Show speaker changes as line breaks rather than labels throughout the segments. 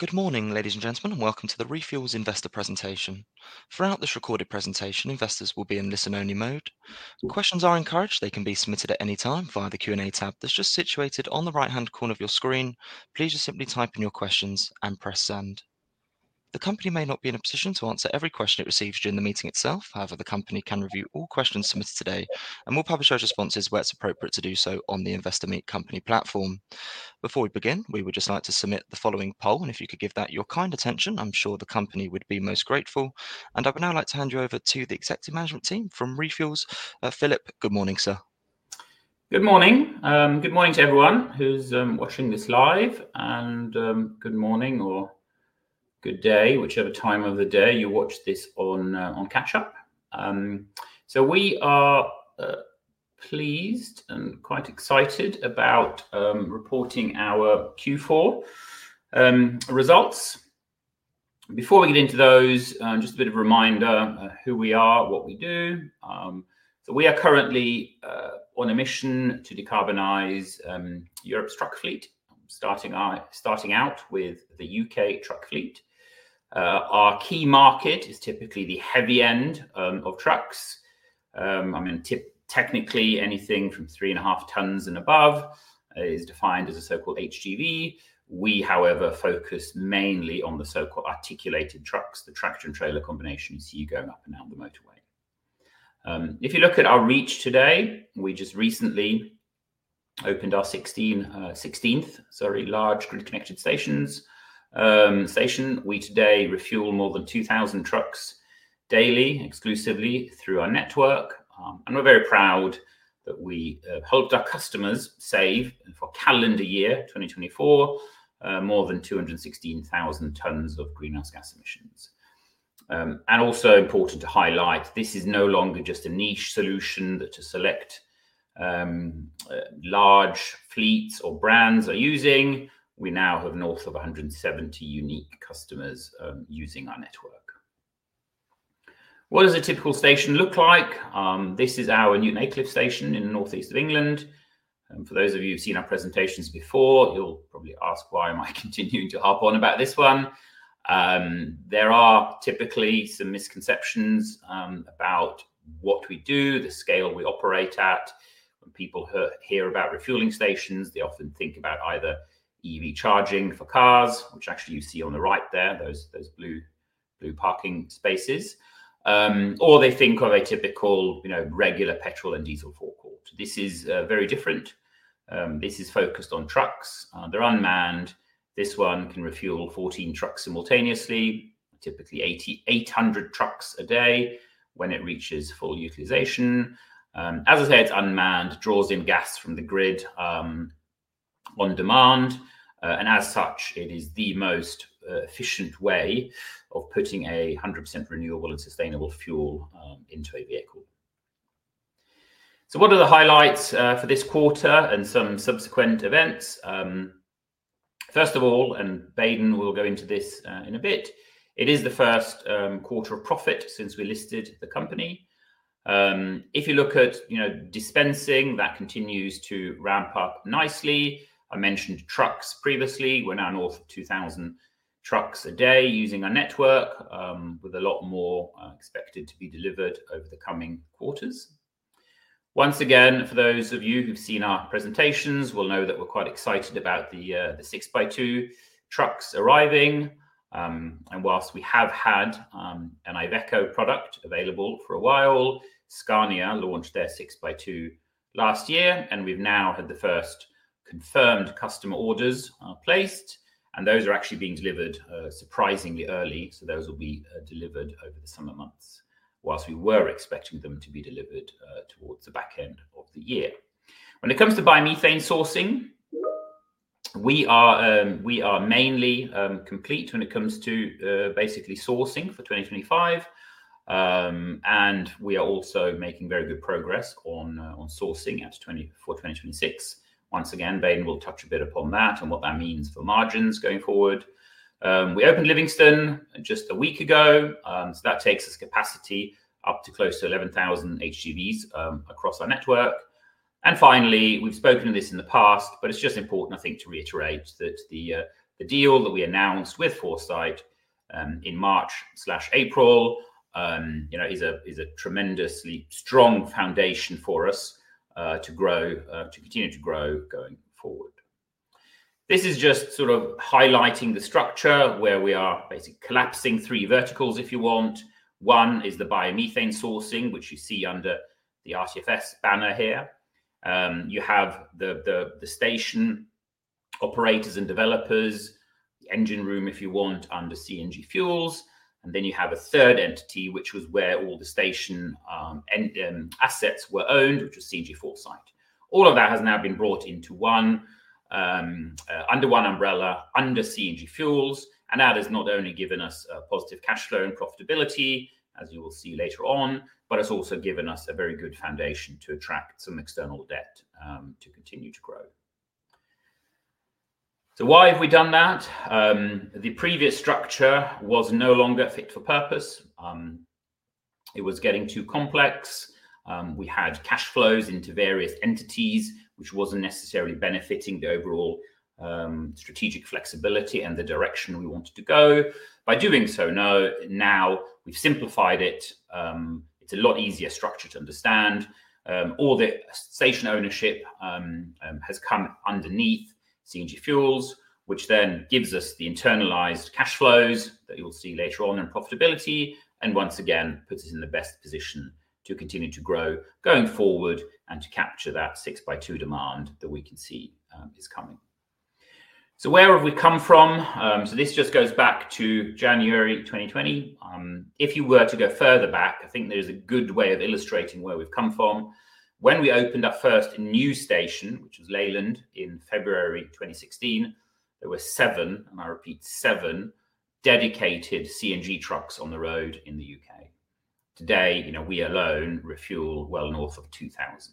Good morning, ladies and gentlemen, and welcome to the ReFuels Investor presentation. Throughout this recorded presentation, investors will be in listen-only mode. Questions are encouraged; they can be submitted at any time via the Q&A tab that's just situated on the right-hand corner of your screen. Please just simply type in your questions and press send. The company may not be in a position to answer every question it receives during the meeting itself. However, the company can review all questions submitted today and will publish those responses where it's appropriate to do so on the Investor Meet Company platform. Before we begin, we would just like to submit the following poll, and if you could give that your kind attention, I'm sure the company would be most grateful. I would now like to hand you over to the Executive Management Team from ReFuels. Philip, good morning, sir.
Good morning. Good morning to everyone who's watching this live, and good morning, or good day, whichever time of the day you watch this on catch-up. We are pleased and quite excited about reporting our Q4 results. Before we get into those, just a bit of a reminder of who we are, what we do. We are currently on a mission to decarbonize Europe's truck fleet, starting out with the U.K. truck fleet. Our key market is typically the heavy end of trucks. I mean, technically, anything from 3.5 tons and above is defined as a so-called HGV. We, however, focus mainly on the so-called articulated trucks, the tractor and trailer combination, you see going up and down the motorway. If you look at our reach today, we just recently opened our 16th large grid-connected stations. We today refuel more than 2,000 trucks daily, exclusively through our network, and we're very proud that we helped our customers save for calendar year 2024 more than 216,000 tons of greenhouse gas emissions. Also important to highlight, this is no longer just a niche solution that a select large fleets or brands are using. We now have north of 170 unique customers using our network. What does a typical station look like? This is our Newton Aycliffe station in the northeast of England. For those of you who've seen our presentations before, you'll probably ask, why am I continuing to harp on about this one? There are typically some misconceptions about what we do, the scale we operate at. When people hear about refueling stations, they often think about either EV charging for cars, which actually you see on the right there, those blue parking spaces, or they think of a typical regular petrol and diesel forecourt. This is very different. This is focused on trucks. They're unmanned. This one can refuel 14 trucks simultaneously, typically 800 trucks a day when it reaches full utilization. As I said, it's unmanned, draws in gas from the grid on demand, and as such, it is the most efficient way of putting a 100% renewable and sustainable fuel into a vehicle. What are the highlights for this quarter and some subsequent events? First of all, and Baden will go into this in a bit, it is the first quarter of profit since we listed the company. If you look at dispensing, that continues to ramp up nicely. I mentioned trucks previously. We're now north of 2,000 trucks a day using our network, with a lot more expected to be delivered over the coming quarters. Once again, for those of you who've seen our presentations, will know that we're quite excited about the 6x2 trucks arriving. Whilst we have had an Iveco product available for a while, Scania launched their 6x2 last year, and we've now had the first confirmed customer orders placed, and those are actually being delivered surprisingly early. Those will be delivered over the summer months, whilst we were expecting them to be delivered towards the back end of the year. When it comes to biomethane sourcing, we are mainly complete when it comes to basically sourcing for 2025, and we are also making very good progress on sourcing for 2026. Once again, Baden will touch a bit upon that and what that means for margins going forward. We opened Livingston just a week ago, so that takes us capacity up to close to 11,000 HGVs across our network. Finally, we have spoken of this in the past, but it is just important, I think, to reiterate that the deal that we announced with Foresight in March/April is a tremendously strong foundation for us to continue to grow going forward. This is just sort of highlighting the structure where we are basically collapsing three verticals, if you want. One is the biomethane sourcing, which you see under the RTFS banner here. You have the station operators and developers, the engine room, if you want, under CNG Fuels, and then you have a third entity, which was where all the station assets were owned, which was CNG Foresight. All of that has now been brought under one umbrella under CNG Fuels, and that has not only given us positive cash flow and profitability, as you will see later on, but it has also given us a very good foundation to attract some external debt to continue to grow. Why have we done that? The previous structure was no longer fit for purpose. It was getting too complex. We had cash flows into various entities, which was not necessarily benefiting the overall strategic flexibility and the direction we wanted to go. By doing so now, we have simplified it. It is a lot easier structure to understand. All the station ownership has come underneath CNG Fuels, which then gives us the internalized cash flows that you'll see later on and profitability, and once again, puts us in the best position to continue to grow going forward and to capture that 6x2 demand that we can see is coming. Where have we come from? This just goes back to January 2020. If you were to go further back, I think there's a good way of illustrating where we've come from. When we opened our first new station, which was Leyland in February 2016, there were seven, and I repeat, seven dedicated CNG trucks on the road in the U.K. Today, we alone refuel well north of 2,000.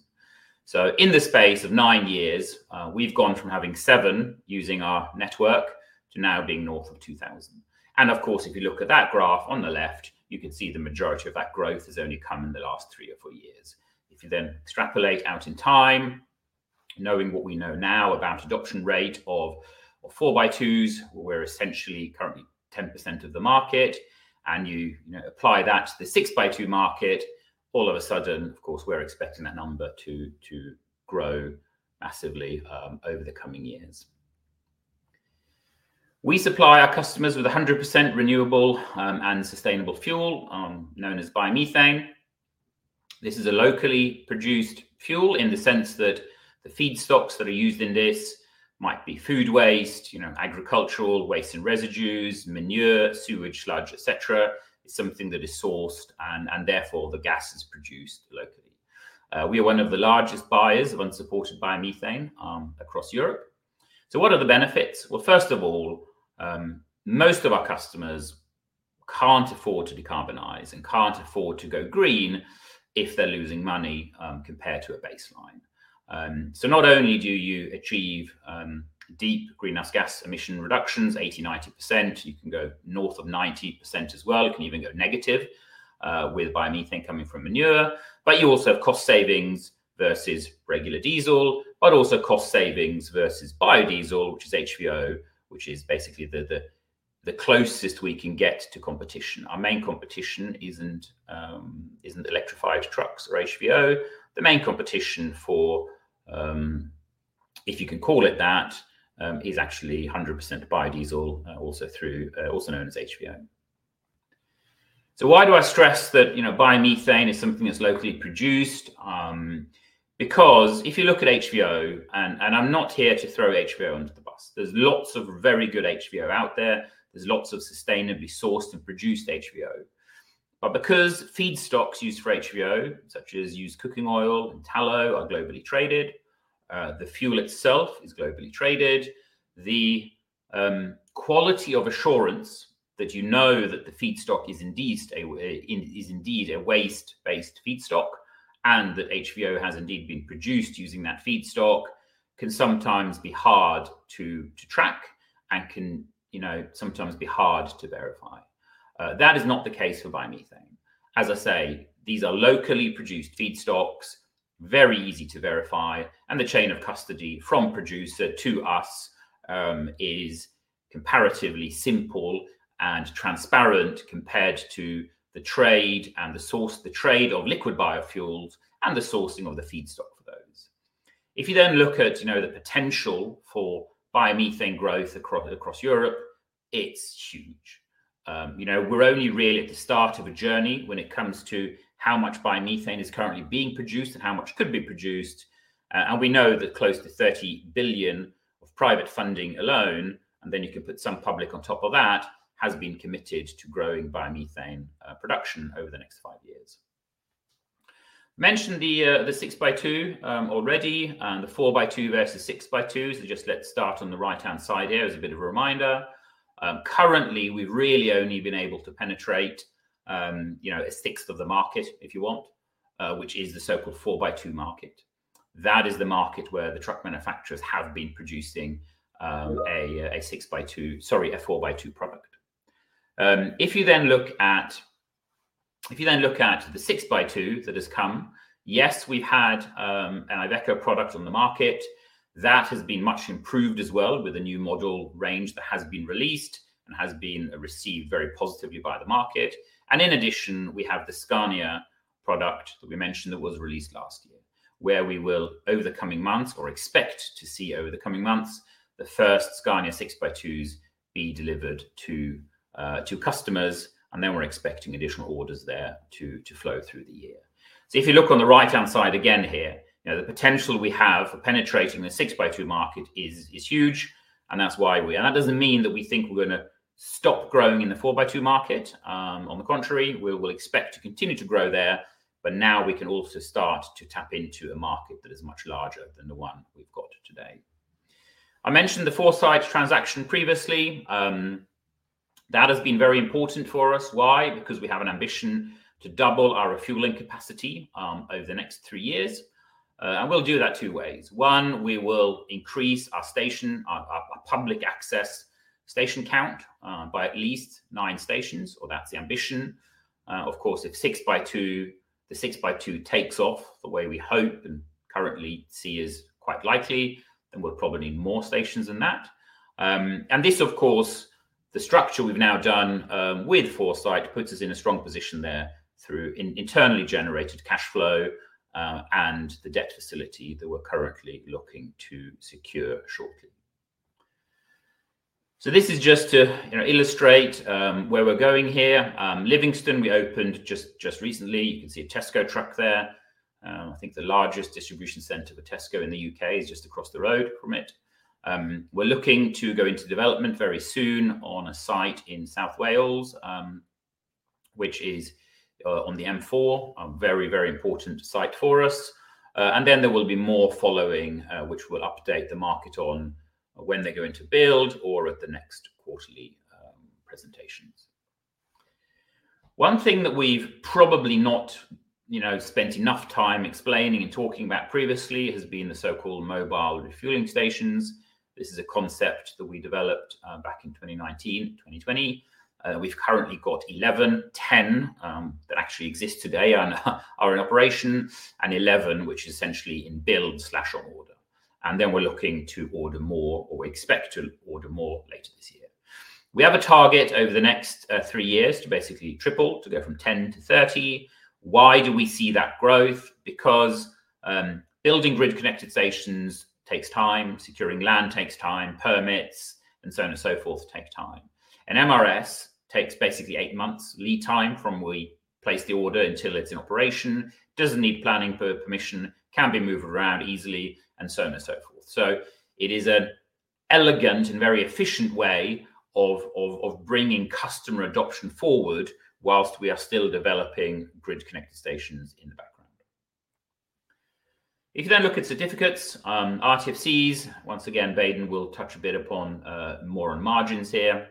In the space of nine years, we've gone from having seven using our network to now being north of 2,000. If you look at that graph on the left, you can see the majority of that growth has only come in the last three or four years. If you then extrapolate out in time, knowing what we know now about adoption rate of 4x2s, we're essentially currently 10% of the market, and you apply that to the 6x2 market, all of a sudden, of course, we're expecting that number to grow massively over the coming years. We supply our customers with 100% renewable and sustainable fuel known as biomethane. This is a locally produced fuel in the sense that the feedstocks that are used in this might be food waste, agricultural waste and residues, manure, sewage sludge, etc. It's something that is sourced, and therefore, the gas is produced locally. We are one of the largest buyers of unsupported biomethane across Europe. What are the benefits? First of all, most of our customers can't afford to decarbonize and can't afford to go green if they're losing money compared to a baseline. Not only do you achieve deep greenhouse gas emission reductions, 80%, 90%, you can go north of 90% as well. You can even go negative with biomethane coming from manure, but you also have cost savings versus regular diesel, but also cost savings versus biodiesel, which is HVO, which is basically the closest we can get to competition. Our main competition isn't electrified trucks or HVO. The main competition, if you can call it that, is actually 100% biodiesel, also known as HVO. Why do I stress that biomethane is something that's locally produced? Because if you look at HVO, and I'm not here to throw HVO under the bus, there's lots of very good HVO out there. There's lots of sustainably sourced and produced HVO. Because feedstocks used for HVO, such as used cooking oil and tallow, are globally traded, the fuel itself is globally traded, the quality of assurance that you know that the feedstock is indeed a waste-based feedstock and that HVO has indeed been produced using that feedstock can sometimes be hard to track and can sometimes be hard to verify. That is not the case for biomethane. As I say, these are locally produced feedstocks, very easy to verify, and the chain of custody from producer to us is comparatively simple and transparent compared to the trade and the source of liquid biofuels and the sourcing of the feedstock for those. If you then look at the potential for biomethane growth across Europe, it's huge. We're only really at the start of a journey when it comes to how much biomethane is currently being produced and how much could be produced. We know that close to 30 billion of private funding alone, and then you can put some public on top of that, has been committed to growing biomethane production over the next five years. Mentioned the 6x2 already, and the 4x2 versus 6x2, so just let's start on the right-hand side here as a bit of a reminder. Currently, we've really only been able to penetrate a sixth of the market, if you want, which is the so-called 4x2 market. That is the market where the truck manufacturers have been producing a 6x2, sorry, a 4x2 product. If you then look at the 6x2 that has come, yes, we've had an Iveco product on the market. That has been much improved as well with a new model range that has been released and has been received very positively by the market. In addition, we have the Scania product that we mentioned that was released last year, where we will, over the coming months, or expect to see over the coming months, the first Scania 6x2s be delivered to customers, and then we're expecting additional orders there to flow through the year. If you look on the right-hand side again here, the potential we have for penetrating the 6x2 market is huge, and that doesn't mean that we think we're going to stop growing in the 4x2 market. On the contrary, we will expect to continue to grow there, but now we can also start to tap into a market that is much larger than the one we've got today. I mentioned the Foresight transaction previously. That has been very important for us. Why? Because we have an ambition to double our refueling capacity over the next three years. We will do that two ways. One, we will increase our public access station count by at least nine stations, or that's the ambition. Of course, if 6x2, the 6x2 takes off the way we hope and currently see is quite likely, we will probably need more stations than that. The structure we've now done with Foresight puts us in a strong position there through internally generated cash flow and the debt facility that we're currently looking to secure shortly. This is just to illustrate where we're going here. Livingston, we opened just recently. You can see a Tesco truck there. I think the largest distribution center for Tesco in the U.K. is just across the road from it. We're looking to go into development very soon on a site in South Wales, which is on the M4, a very, very important site for us. There will be more following, which we will update the market on when they're going to build or at the next quarterly presentations. One thing that we've probably not spent enough time explaining and talking about previously has been the so-called mobile refueling stations. This is a concept that we developed back in 2019, 2020. We've currently got 11, 10 that actually exist today and are in operation, and 11 which is essentially in build/on order. We are looking to order more or we expect to order more later this year. We have a target over the next three years to basically triple, to go from 10 to 30. Why do we see that growth? Because building grid-connected stations takes time, securing land takes time, permits, and so on and so forth take time. An MRS takes basically eight months lead time from when we place the order until it is in operation. It does not need planning permission, can be moved around easily, and so on and so forth. It is an elegant and very efficient way of bringing customer adoption forward whilst we are still developing grid-connected stations in the background. You can then look at certificates, RTFCs. Once again, Baden will touch a bit more on margins here.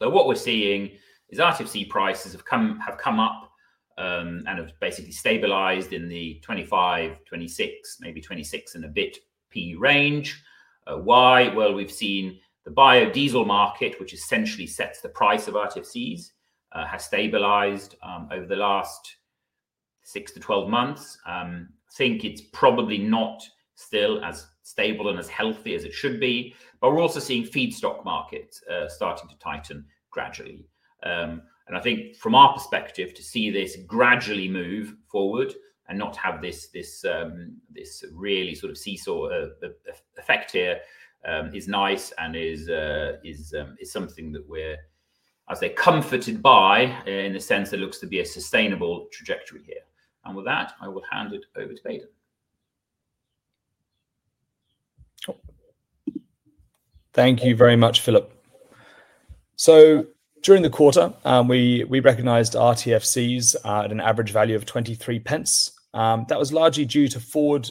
What we're seeing is RTFC prices have come up and have basically stabilized in the 25-26, maybe 26 and a bit pence range. Why? We have seen the biodiesel market, which essentially sets the price of RTFCs, has stabilized over the last 6 to 12 months. I think it's probably not still as stable and as healthy as it should be, but we're also seeing feedstock markets starting to tighten gradually. I think from our perspective, to see this gradually move forward and not have this really sort of seesaw effect here is nice and is something that we're, I'll say, comforted by in the sense it looks to be a sustainable trajectory here. With that, I will hand it over to Baden.
Thank you very much, Philip. During the quarter, we recognized RTFCs at an average value of 0.23. That was largely due to forward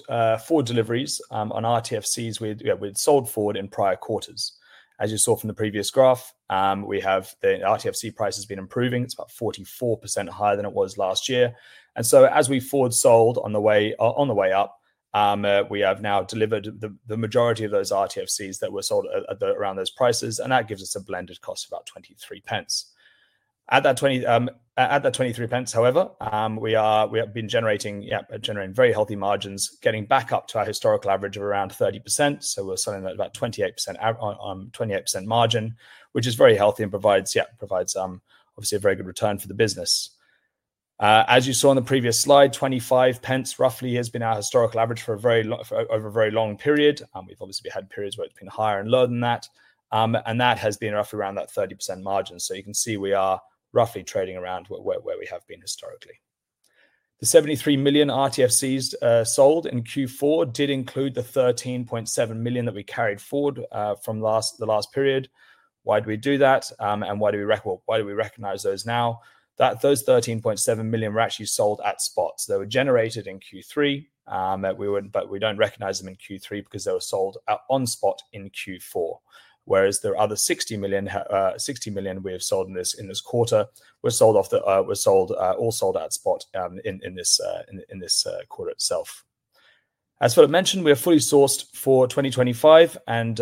deliveries on RTFCs we'd sold forward in prior quarters. As you saw from the previous graph, we have the RTFC price has been improving. It's about 44% higher than it was last year. As we forward sold on the way up, we have now delivered the majority of those RTFCs that were sold around those prices, and that gives us a blended cost of about 0.23. At that 0.23, however, we have been generating very healthy margins, getting back up to our historical average of around 30%. We're selling at about 28% margin, which is very healthy and provides, obviously, a very good return for the business. As you saw on the previous slide, 0.25 roughly has been our historical average for a very long period. We've obviously had periods where it's been higher and lower than that, and that has been roughly around that 30% margin. You can see we are roughly trading around where we have been historically. The 73 million RTFCs sold in Q4 did include the 13.7 million that we carried forward from the last period. Why did we do that? Why do we recognize those now? Those 13.7 million were actually sold at spot. They were generated in Q3, but we don't recognize them in Q3 because they were sold on spot in Q4. Whereas the other 60 million we have sold in this quarter were all sold at spot in this quarter itself. As Philip mentioned, we are fully sourced for 2025 and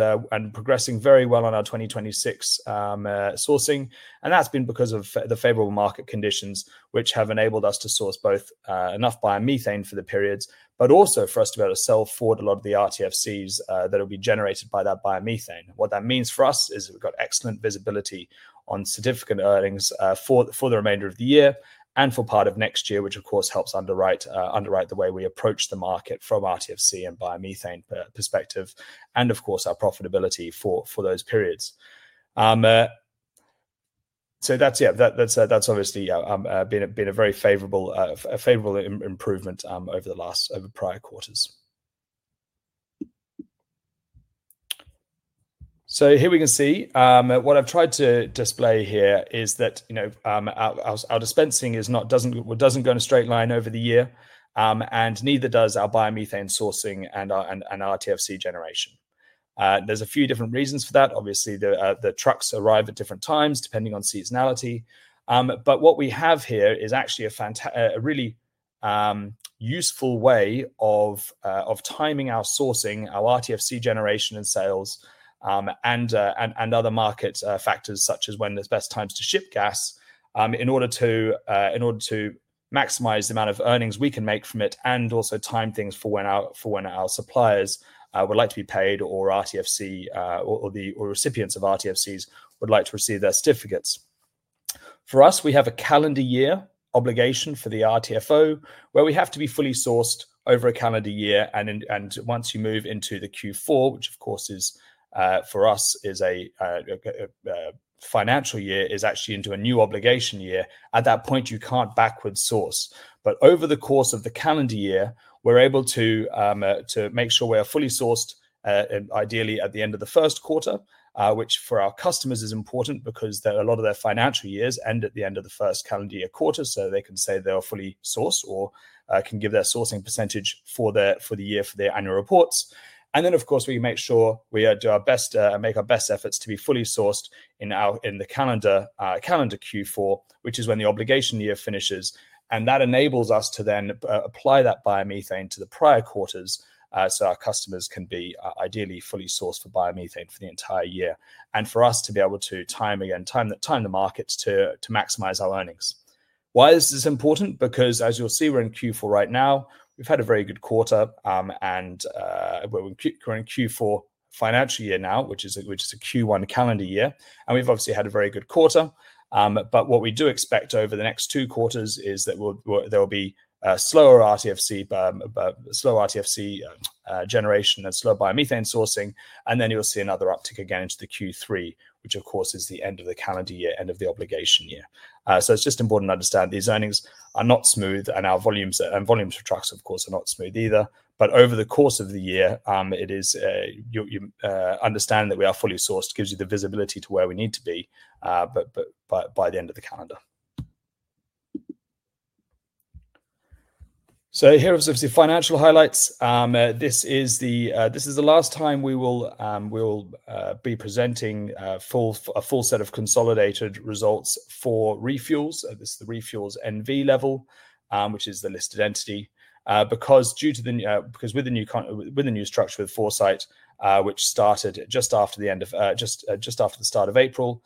progressing very well on our 2026 sourcing. That has been because of the favorable market conditions, which have enabled us to source both enough biomethane for the periods, but also for us to be able to sell forward a lot of the RTFCs that will be generated by that biomethane. What that means for us is we have got excellent visibility on significant earnings for the remainder of the year and for part of next year, which of course helps underwrite the way we approach the market from RTFC and biomethane perspective, and of course our profitability for those periods. That is obviously been a very favorable improvement over the prior quarters. Here we can see what I have tried to display here is that our dispensing does not go in a straight line over the year, and neither does our biomethane sourcing and RTFC generation. There are a few different reasons for that. Obviously, the trucks arrive at different times depending on seasonality. What we have here is actually a really useful way of timing our sourcing, our RTFC generation and sales, and other market factors such as when there are best times to ship gas in order to maximize the amount of earnings we can make from it and also time things for when our suppliers would like to be paid or RTFC or recipients of RTFCs would like to receive their certificates. For us, we have a calendar year obligation for the RTFO where we have to be fully sourced over a calendar year. Once you move into the Q4, which of course for us is a financial year, it is actually into a new obligation year. At that point, you cannot backward source. Over the course of the calendar year, we're able to make sure we are fully sourced, ideally at the end of the first quarter, which for our customers is important because a lot of their financial years end at the end of the first calendar year quarter, so they can say they are fully sourced or can give their sourcing percentage for the year for their annual reports. Of course, we make sure we do our best and make our best efforts to be fully sourced in the calendar Q4, which is when the obligation year finishes. That enables us to then apply that biomethane to the prior quarters so our customers can be ideally fully sourced for biomethane for the entire year and for us to be able to time the markets to maximize our earnings. Why is this important? Because, as you'll see, we're in Q4 right now. We've had a very good quarter, and we're in Q4 financial year now, which is a Q1 calendar year. We've obviously had a very good quarter. What we do expect over the next two quarters is that there will be a slower RTFC generation and slow biomethane sourcing. You'll see another uptick again into the Q3, which of course is the end of the calendar year, end of the obligation year. It is just important to understand these earnings are not smooth, and our volumes for trucks, of course, are not smooth either. Over the course of the year, it is understanding that we are fully sourced gives you the visibility to where we need to be by the end of the calendar. Here are some financial highlights. This is the last time we will be presenting a full set of consolidated results for ReFuels. This is the ReFuels N.V. level, which is the listed entity. Because with the new structure with Foresight, which started just after the start of April,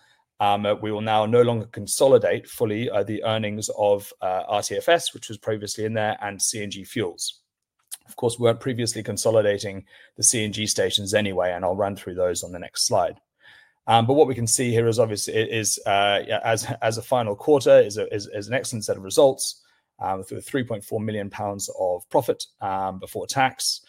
we will now no longer consolidate fully the earnings of RTFS, which was previously in there, and CNG Fuels. Of course, we were not previously consolidating the CNG stations anyway, and I will run through those on the next slide. What we can see here is, obviously, as a final quarter, is an excellent set of results with 3.4 million pounds of profit before tax,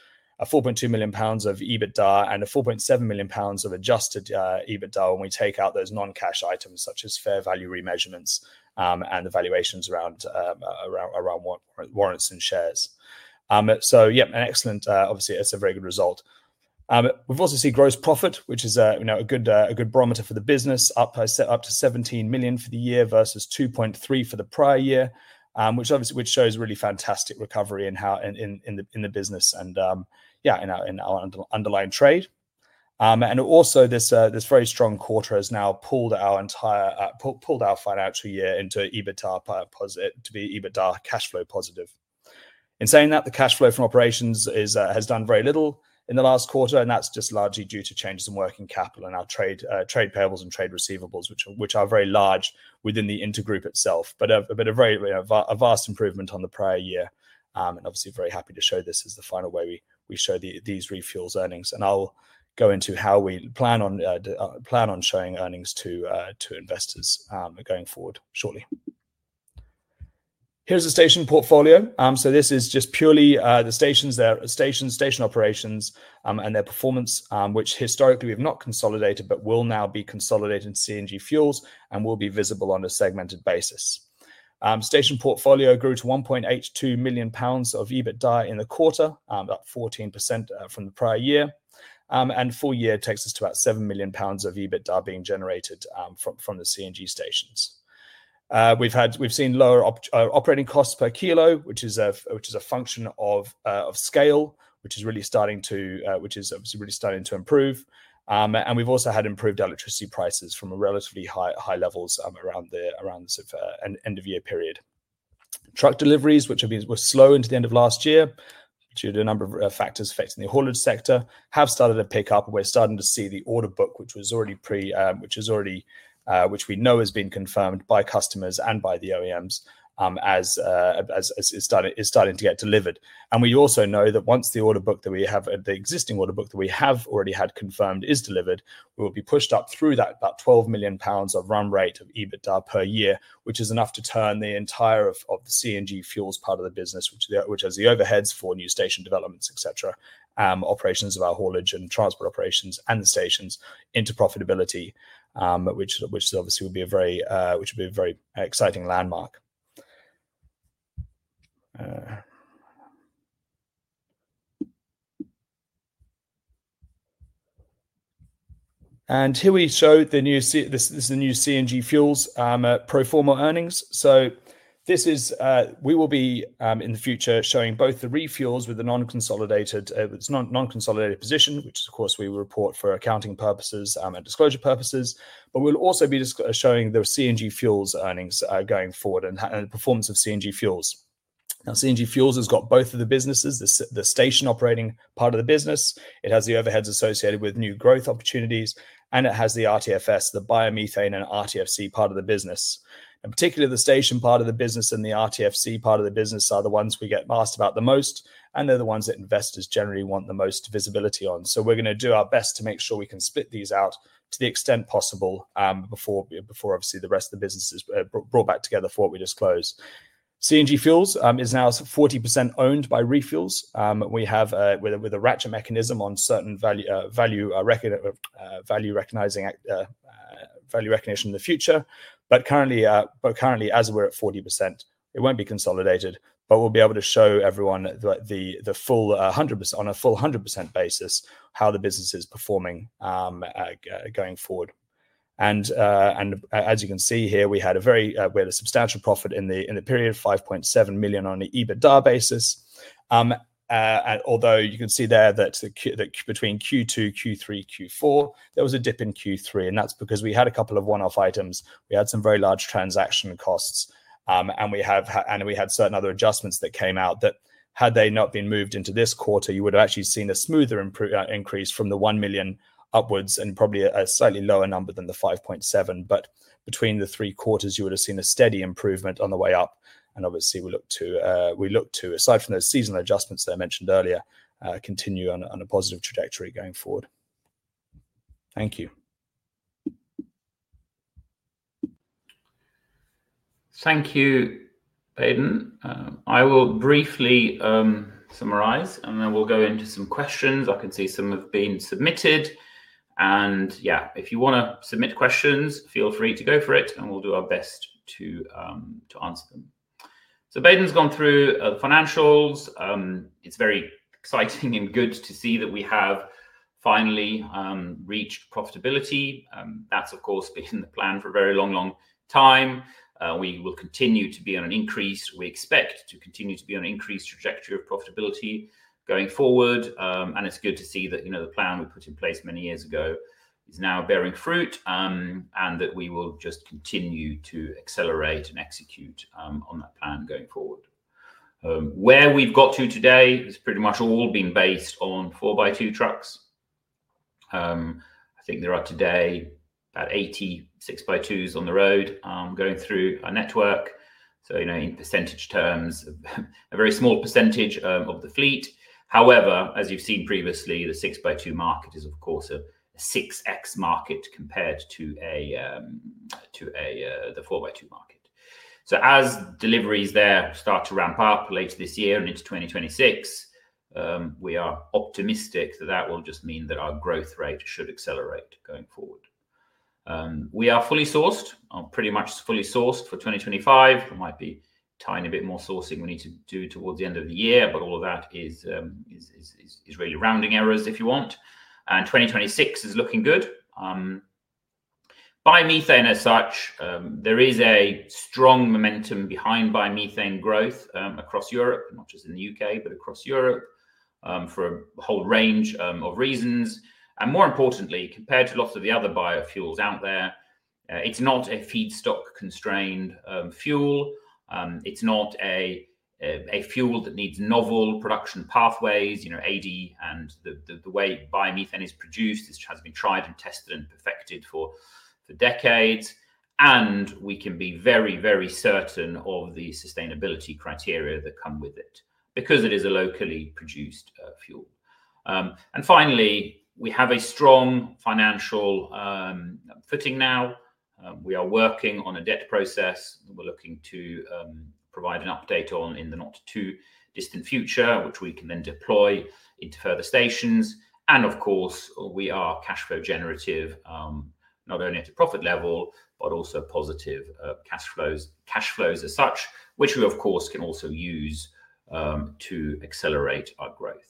4.2 million pounds of EBITDA, and 4.7 million pounds of adjusted EBITDA when we take out those non-cash items such as fair value remeasurements and the valuations around warrants and shares. Yeah, an excellent, obviously, it is a very good result. We've also seen gross profit, which is a good barometer for the business, up to 17 million for the year versus 2.3 million for the prior year, which shows really fantastic recovery in the business and yeah, in our underlying trade. Also, this very strong quarter has now pulled our financial year into EBITDA cash flow positive. In saying that, the cash flow from operations has done very little in the last quarter, and that's just largely due to changes in working capital and our trade payables and trade receivables, which are very large within the intergroup itself. A very vast improvement on the prior year. Obviously, very happy to show this as the final way we show these ReFuels earnings. I'll go into how we plan on showing earnings to investors going forward shortly. Here's the station portfolio. This is just purely the stations, station operations, and their performance, which historically we've not consolidated, but will now be consolidated in CNG Fuels and will be visible on a segmented basis. Station portfolio grew to 1.82 million pounds of EBITDA in the quarter, about 14% from the prior year. Full year takes us to about 7 million pounds of EBITDA being generated from the CNG stations. We've seen lower operating costs per kilo, which is a function of scale, which is really starting to, which is obviously really starting to improve. We've also had improved electricity prices from relatively high levels around the end of year period. Truck deliveries, which were slow into the end of last year due to a number of factors affecting the haulage sector, have started to pick up. We're starting to see the order book, which is already pre, which we know has been confirmed by customers and by the OEMs as it's starting to get delivered. We also know that once the order book that we have, the existing order book that we have already had confirmed is delivered, we will be pushed up through that about 12 million pounds of run rate of EBITDA per year, which is enough to turn the entire CNG Fuels part of the business, which has the overheads for new station developments, etc., operations of our haulage and transport operations and the stations into profitability, which obviously would be a very, which would be a very exciting landmark. Here we show the new, this is the new CNG Fuels pro forma earnings. This is, we will be in the future showing both the ReFuels with the non-consolidated position, which of course we will report for accounting purposes and disclosure purposes. We will also be showing the CNG Fuels earnings going forward and the performance of CNG Fuels. Now, CNG Fuels has got both of the businesses, the station operating part of the business. It has the overheads associated with new growth opportunities, and it has the RTFS, the biomethane and RTFC part of the business. Particularly the station part of the business and the RTFC part of the business are the ones we get asked about the most, and they are the ones that investors generally want the most visibility on. We're going to do our best to make sure we can split these out to the extent possible before, obviously, the rest of the business is brought back together for what we disclose. CNG Fuels is now 40% owned by ReFuels. We have a ratchet mechanism on certain value recognition in the future. Currently, as we're at 40%, it will not be consolidated, but we'll be able to show everyone the full 100% on a full 100% basis how the business is performing going forward. As you can see here, we had a substantial profit in the period, 5.7 million on an EBITDA basis. Although you can see there that between Q2, Q3, Q4, there was a dip in Q3, and that's because we had a couple of one-off items. We had some very large transaction costs, and we had certain other adjustments that came out that had they not been moved into this quarter, you would have actually seen a smoother increase from the 1 million upwards and probably a slightly lower number than the 5.7 million. Between the three quarters, you would have seen a steady improvement on the way up. Obviously, we look to, aside from those seasonal adjustments that I mentioned earlier, continue on a positive trajectory going forward. Thank you.
Thank you, Baden. I will briefly summarize, and then we will go into some questions. I can see some have been submitted. If you want to submit questions, feel free to go for it, and we will do our best to answer them. Baden has gone through the financials. It is very exciting and good to see that we have finally reached profitability. That's, of course, been the plan for a very long, long time. We will continue to be on an increase. We expect to continue to be on an increased trajectory of profitability going forward. It's good to see that the plan we put in place many years ago is now bearing fruit and that we will just continue to accelerate and execute on that plan going forward. Where we've got to today has pretty much all been based on 4x2 trucks. I think there are today about 80 6x2s on the road going through our network. In percentage terms, a very small percentage of the fleet. However, as you've seen previously, the 6x2 market is, of course, a 6x market compared to the 4x2 market. As deliveries there start to ramp up later this year and into 2026, we are optimistic that that will just mean that our growth rate should accelerate going forward. We are fully sourced, pretty much fully sourced for 2025. There might be a tiny bit more sourcing we need to do towards the end of the year, but all of that is really rounding errors if you want. 2026 is looking good. Biomethane as such, there is a strong momentum behind biomethane growth across Europe, not just in the U.K., but across Europe for a whole range of reasons. More importantly, compared to lots of the other biofuels out there, it is not a feedstock constrained fuel. It is not a fuel that needs novel production pathways. AD and the way biomethane is produced has been tried and tested and perfected for decades. We can be very, very certain of the sustainability criteria that come with it because it is a locally produced fuel. Finally, we have a strong financial footing now. We are working on a debt process that we are looking to provide an update on in the not too distant future, which we can then deploy into further stations. Of course, we are cash flow generative, not only at a profit level, but also positive cash flows as such, which we, of course, can also use to accelerate our growth.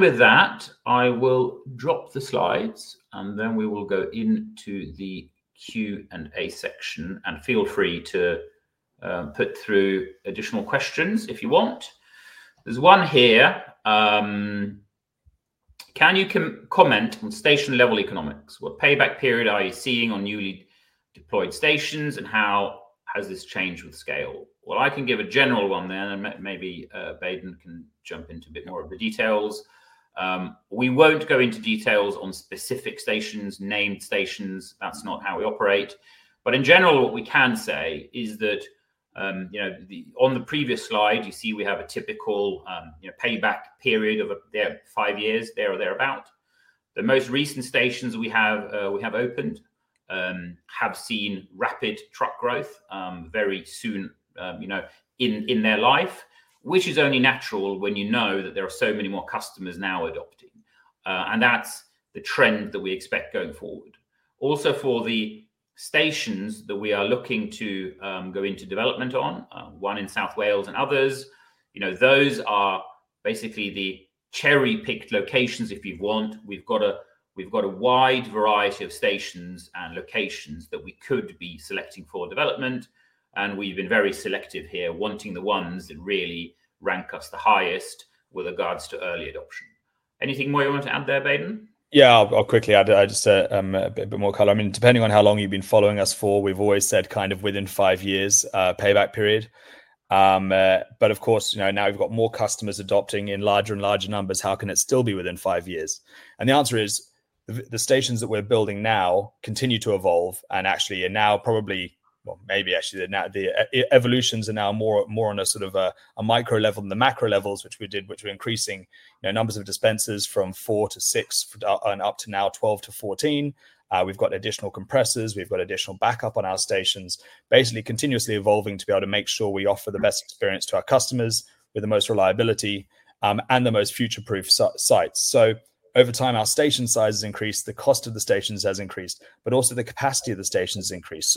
With that, I will drop the slides, and then we will go into the Q&A section. Feel free to put through additional questions if you want. There is one here. Can you comment on station-level economics? What payback period are you seeing on newly deployed stations, and how has this changed with scale? I can give a general one there, and maybe Baden can jump into a bit more of the details. We will not go into details on specific stations, named stations. That is not how we operate. In general, what we can say is that on the previous slide, you see we have a typical payback period of five years there or thereabout. The most recent stations we have opened have seen rapid truck growth very soon in their life, which is only natural when you know that there are so many more customers now adopting. That is the trend that we expect going forward. Also for the stations that we are looking to go into development on, one in South Wales and others, those are basically the cherry-picked locations, if you want. We have got a wide variety of stations and locations that we could be selecting for development. We have been very selective here, wanting the ones that really rank us the highest with regards to early adoption. Anything more you want to add there, Baden?
Yeah, I'll quickly add just a bit more color. I mean, depending on how long you've been following us for, we've always said kind of within five years payback period. Of course, now we've got more customers adopting in larger and larger numbers. How can it still be within five years? The answer is the stations that we're building now continue to evolve and actually are now probably, well, maybe actually the evolutions are now more on a sort of a micro level than the macro levels, which we did, which were increasing numbers of dispensers from four to six and up to now 12-14. We've got additional compressors. We've got additional backup on our stations, basically continuously evolving to be able to make sure we offer the best experience to our customers with the most reliability and the most future-proof sites. Over time, our station size has increased. The cost of the stations has increased, but also the capacity of the stations has increased.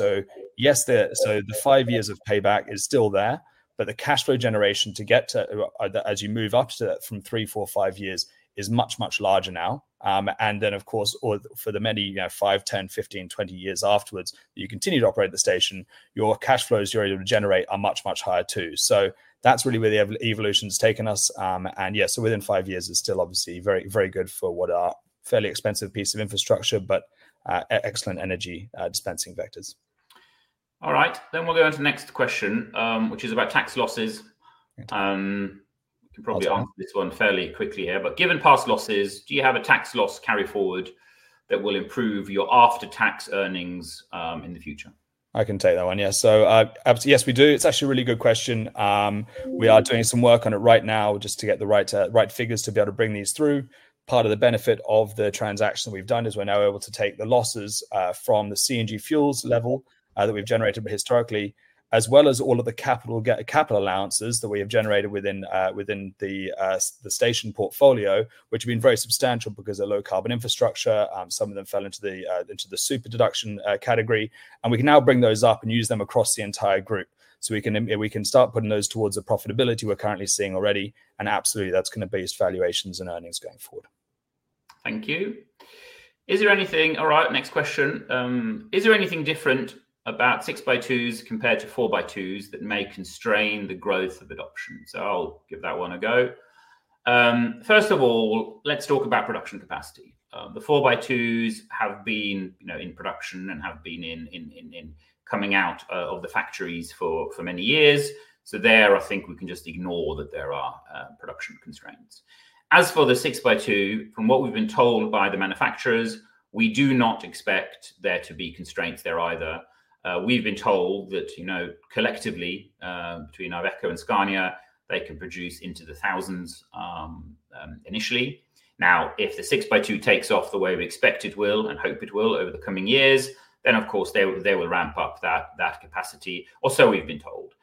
Yes, the five years of payback is still there, but the cash flow generation to get to, as you move up from three, four, five years, is much, much larger now. For the many 5, 10, 15, 20 years afterwards, you continue to operate the station, your cash flows you're able to generate are much, much higher too. That's really where the evolution has taken us. Yeah, within five years is still obviously very good for what are fairly expensive pieces of infrastructure, but excellent energy dispensing vectors.
All right, we'll go into the next question, which is about tax losses. You can probably answer this one fairly quickly here. Given past losses, do you have a tax loss carry forward that will improve your after-tax earnings in the future?
I can take that one. Yes. Yes, we do. It's actually a really good question. We are doing some work on it right now just to get the right figures to be able to bring these through. Part of the benefit of the transaction that we've done is we're now able to take the losses from the CNG Fuels level that we've generated historically, as well as all of the capital allowances that we have generated within the station portfolio, which have been very substantial because of low carbon infrastructure. Some of them fell into the super deduction category. We can now bring those up and use them across the entire group. We can start putting those towards the profitability we're currently seeing already. Absolutely, that's going to boost valuations and earnings going forward.
Thank you. Is there anything, all right, next question. Is there anything different about 6x2s compared to 4x2s that may constrain the growth of adoption? I'll give that one a go. First of all, let's talk about production capacity. The 4x2s have been in production and have been coming out of the factories for many years. There, I think we can just ignore that there are production constraints. As for the 6x2, from what we've been told by the manufacturers, we do not expect there to be constraints there either. We've been told that collectively between Iveco and Scania, they can produce into the thousands initially. If the 6x2 takes off the way we expect it will and hope it will over the coming years, then of course, they will ramp up that capacity, or so we've been told.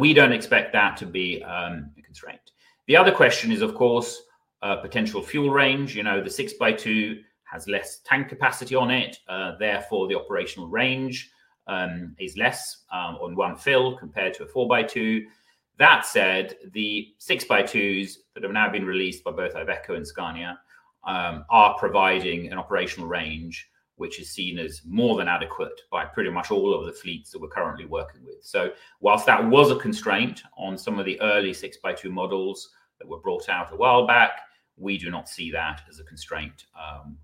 We do not expect that to be a constraint. The other question is, of course, potential fuel range. The 6x2 has less tank capacity on it. Therefore, the operational range is less on one fill compared to a 4x2. That said, the 6x2s that have now been released by both Iveco and Scania are providing an operational range which is seen as more than adequate by pretty much all of the fleets that we're currently working with. Whilst that was a constraint on some of the early 6x2 models that were brought out a while back, we do not see that as a constraint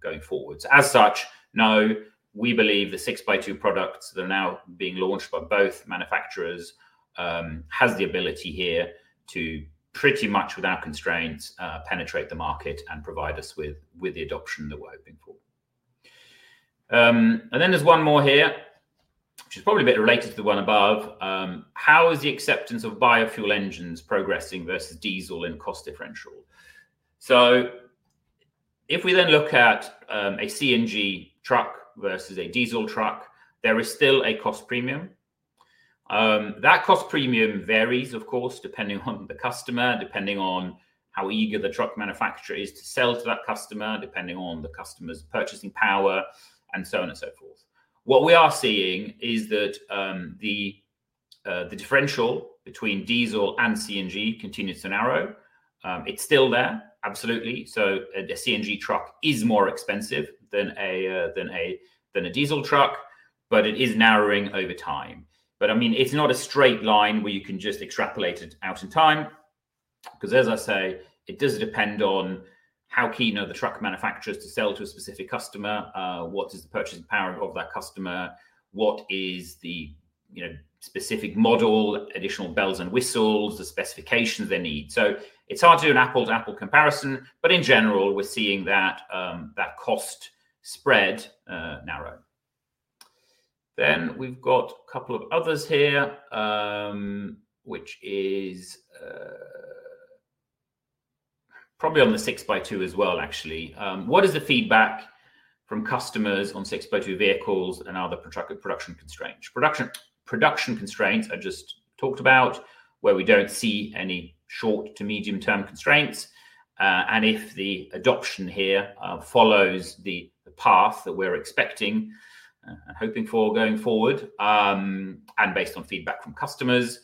going forward. As such, no, we believe the 6x2 products that are now being launched by both manufacturers has the ability here to pretty much without constraints penetrate the market and provide us with the adoption that we're hoping for. There is one more here, which is probably a bit related to the one above. How is the acceptance of biofuel engines progressing versus diesel in cost differential? If we then look at a CNG truck versus a diesel truck, there is still a cost premium. That cost premium varies, of course, depending on the customer, depending on how eager the truck manufacturer is to sell to that customer, depending on the customer's purchasing power, and so on and so forth. What we are seeing is that the differential between diesel and CNG continues to narrow. It is still there, absolutely. A CNG truck is more expensive than a diesel truck, but it is narrowing over time. I mean, it is not a straight line where you can just extrapolate it out in time. Because as I say, it does depend on how keen are the truck manufacturers to sell to a specific customer, what is the purchasing power of that customer, what is the specific model, additional bells and whistles, the specifications they need. It is hard to do an apple-to-apple comparison, but in general, we are seeing that cost spread narrow. We have got a couple of others here, which is probably on the 6x2 as well, actually. What is the feedback from customers on 6x2 vehicles and other production constraints? Production constraints I just talked about, where we do not see any short to medium-term constraints. If the adoption here follows the path that we are expecting and hoping for going forward, and based on feedback from customers,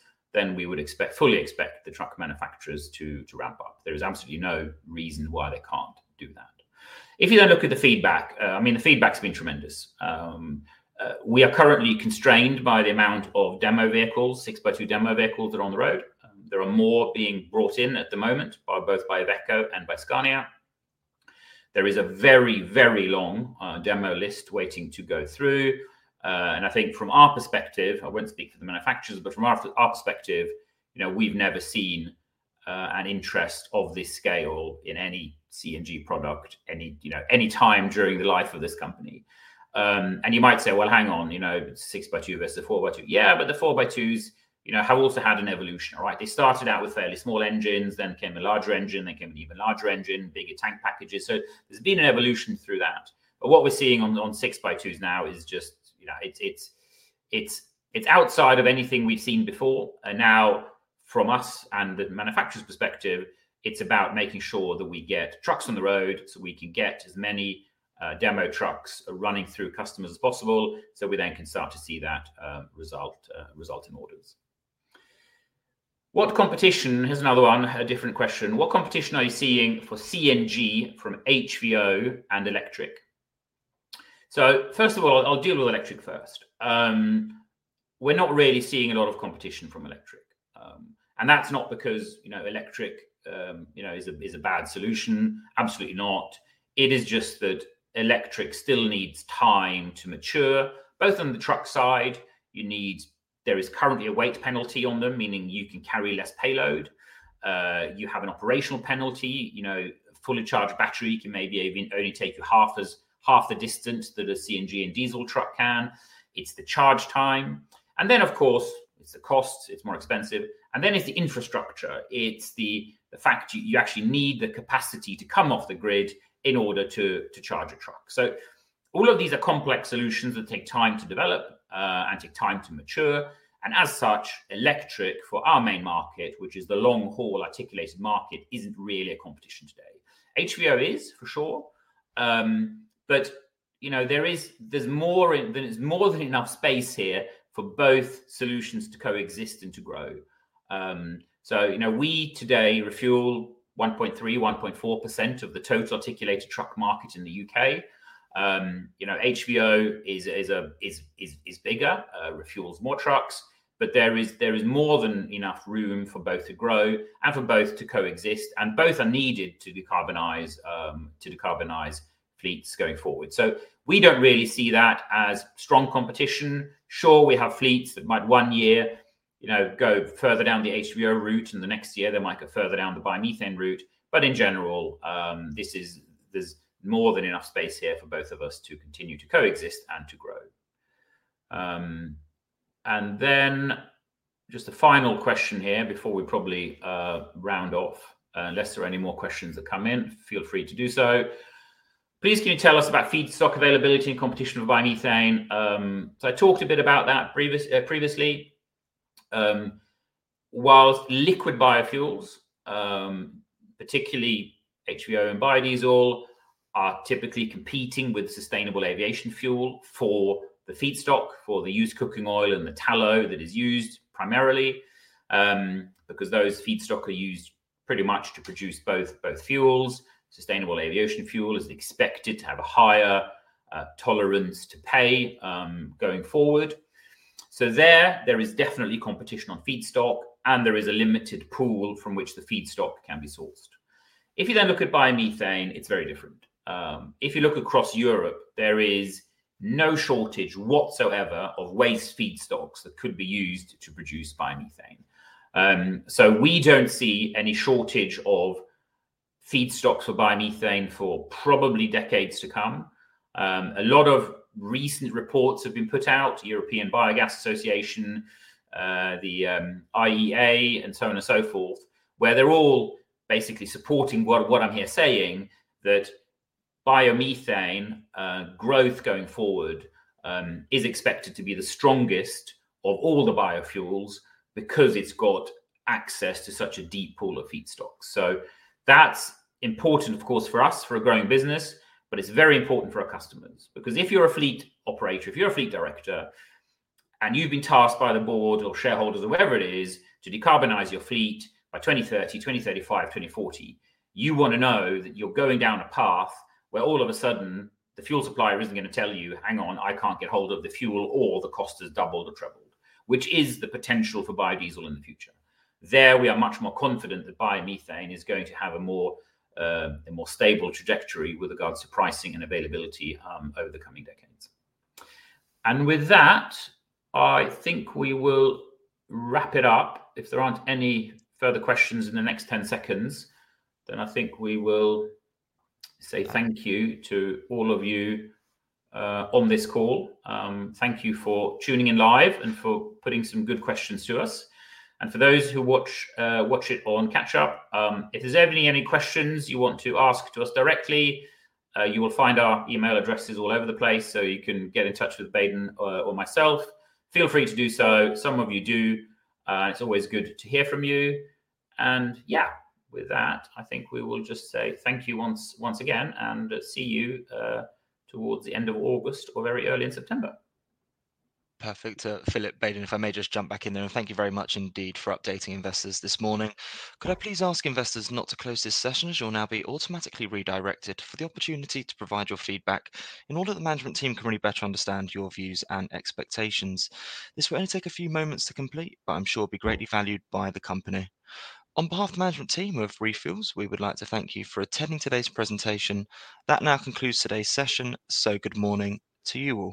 we would fully expect the truck manufacturers to ramp up. There is absolutely no reason why they cannot do that. If you then look at the feedback, I mean, the feedback has been tremendous. We are currently constrained by the amount of demo vehicles, 6x2 demo vehicles that are on the road. There are more being brought in at the moment by both Iveco and by Scania. There is a very, very long demo list waiting to go through. I think from our perspective, I won't speak for the manufacturers, but from our perspective, we've never seen an interest of this scale in any CNG product any time during the life of this company. You might say, well, hang on, 6x2 versus 4x2. Yeah, but the 4x2s have also had an evolution, right? They started out with fairly small engines, then came a larger engine, then came an even larger engine, bigger tank packages. There's been an evolution through that. What we're seeing on 6x2s now is just it's outside of anything we've seen before. Now, from us and the manufacturer's perspective, it's about making sure that we get trucks on the road so we can get as many demo trucks running through customers as possible so we then can start to see that result in orders. What competition? Here's another one, a different question. What competition are you seeing for CNG from HVO and electric? First of all, I'll deal with electric first. We're not really seeing a lot of competition from electric. That's not because electric is a bad solution. Absolutely not. It is just that electric still needs time to mature. Both on the truck side, there is currently a weight penalty on them, meaning you can carry less payload. You have an operational penalty. Fully charged battery can maybe only take you half the distance that a CNG and diesel truck can. It is the charge time. It is the cost. It is more expensive. It is the infrastructure. It is the fact you actually need the capacity to come off the grid in order to charge a truck. All of these are complex solutions that take time to develop and take time to mature. As such, electric for our main market, which is the long-haul articulated market, is not really a competition today. HVO is, for sure. There is more than enough space here for both solutions to coexist and to grow. We today refuel 1.3%-1.4% of the total articulated truck market in the U.K. HVO is bigger, refuels more trucks, but there is more than enough room for both to grow and for both to coexist. Both are needed to decarbonize fleets going forward. We do not really see that as strong competition. Sure, we have fleets that might one year go further down the HVO route, and the next year they might go further down the biomethane route. In general, there is more than enough space here for both of us to continue to coexist and to grow. Just a final question here before we probably round off. Unless there are any more questions that come in, feel free to do so. Please can you tell us about feedstock availability and competition for biomethane? I talked a bit about that previously. Whilst liquid biofuels, particularly HVO and biodiesel, are typically competing with sustainable aviation fuel for the feedstock, for the used cooking oil and the tallow that is used primarily, because those feedstock are used pretty much to produce both fuels. Sustainable aviation fuel is expected to have a higher tolerance to pay going forward. There is definitely competition on feedstock, and there is a limited pool from which the feedstock can be sourced. If you then look at biomethane, it is very different. If you look across Europe, there is no shortage whatsoever of waste feedstocks that could be used to produce biomethane. We do not see any shortage of feedstocks for biomethane for probably decades to come. A lot of recent reports have been put out, European Biogas Association, the IEA, and so on and so forth, where they're all basically supporting what I'm here saying, that biomethane growth going forward is expected to be the strongest of all the biofuels because it's got access to such a deep pool of feedstocks. That is important, of course, for us, for a growing business, but it's very important for our customers. Because if you're a fleet operator, if you're a fleet director, and you've been tasked by the board or shareholders or whoever it is to decarbonize your fleet by 2030, 2035, 2040, you want to know that you're going down a path where all of a sudden the fuel supplier isn't going to tell you, "Hang on, I can't get hold of the fuel or the cost has doubled or tripled," which is the potential for biodiesel in the future. We are much more confident that biomethane is going to have a more stable trajectory with regards to pricing and availability over the coming decades. With that, I think we will wrap it up. If there aren't any further questions in the next 10 seconds, I think we will say thank you to all of you on this call. Thank you for tuning in live and for putting some good questions to us. For those who watch it on catch-up, if there are any questions you want to ask to us directly, you will find our email addresses all over the place so you can get in touch with Baden or myself. Feel free to do so. Some of you do. It is always good to hear from you. With that, I think we will just say thank you once again and see you towards the end of August or very early in September.
Perfect. Philip, Baden, if I may just jump back in there, and thank you very much indeed for updating investors this morning. Could I please ask investors not to close this session? You will now be automatically redirected for the opportunity to provide your feedback in order that the management team can really better understand your views and expectations. This will only take a few moments to complete, but I'm sure it will be greatly valued by the company. On behalf of the management team of ReFuels, we would like to thank you for attending today's presentation. That now concludes today's session. Good morning to you all.